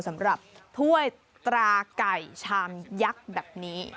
สำหรับถ้วยตราไก่ชามยักษ์แบบนี้